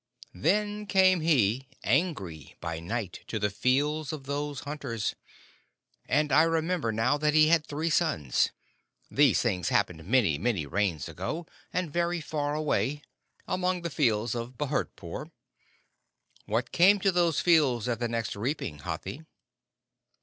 Then came he, angry, by night to the fields of those hunters. And I remember now that he had three sons. These things happened many, many Rains ago, and very far away among the fields of Bhurtpore. What came to those fields at the next reaping, Hathi?"